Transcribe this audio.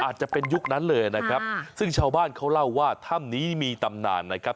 อาจจะเป็นยุคนั้นเลยนะครับซึ่งชาวบ้านเขาเล่าว่าถ้ำนี้มีตำนานนะครับ